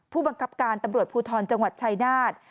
ผู้บังคับการตำรวจภูทรจังหวัดชายนาฏ